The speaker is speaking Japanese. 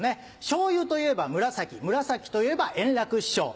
しょうゆといえば紫紫といえば円楽師匠。